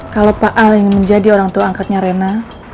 kalau pak al ingin menjadi orang tua angkatnya rena